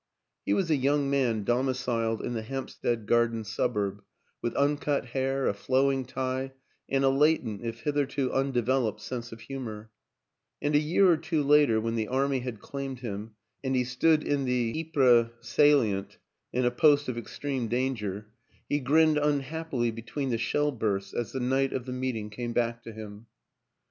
He was a young man domiciled in the Hampstead Garden Suburb, with uncut hair, a flowing tie and a latent, if hitherto undeveloped sense of humor; and a year or two later, when the Army had claimed him, and he stood in the Ypres salient, in a post of extreme danger, he grinned unhappily between the shell bursts as the night of the meeting came back to him.